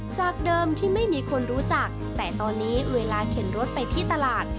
จากเดิมที่ไม่มีคนรู้จักแต่ตอนนี้เวลาเข็นรถไปที่ตลาด